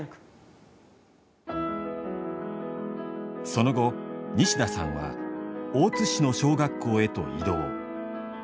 その後西田さんは大津市の小学校へと異動。